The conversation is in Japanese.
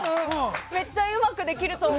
めっちゃうまくできると思う。